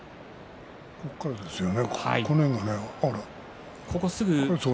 ここからですね。